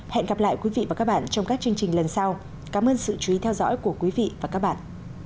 hẹn gặp lại quý vị và các bạn trong các chương trình lần sau cảm ơn sự chú ý theo dõi của quý vị và các bạn